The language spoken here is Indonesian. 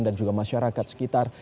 dan juga masyarakat sekitar